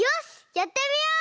やってみよう！